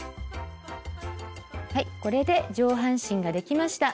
はいこれで上半身ができました。